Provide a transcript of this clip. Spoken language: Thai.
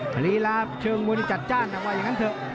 ลีลาเชิงมวยจัดจ้านนะว่าอย่างนั้นเถอะ